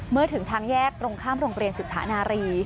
เมื่อถึงทางแยกตรงข้ามโรงเรียนศึกษานารี